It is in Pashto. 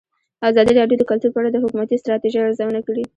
ازادي راډیو د کلتور په اړه د حکومتي ستراتیژۍ ارزونه کړې.